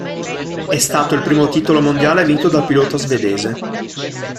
È stato il primo titolo mondiale vinto dal pilota svedese.